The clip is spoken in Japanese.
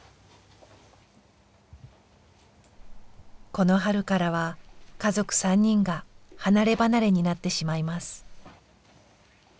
この春からは家族３人が離れ離れになってしまいます。